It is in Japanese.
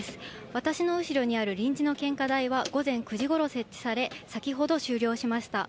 私の後ろにある臨時の献花台は、午前９時ごろ設置され、先ほど終了しました。